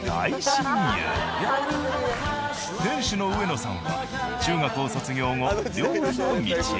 店主の上野さんは中学を卒業後料理の道へ。